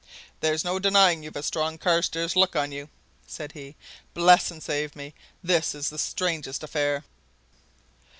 "There's no denying you've a strong Carstairs look on you!" said he. "Bless and save me! this is the strangest affair!"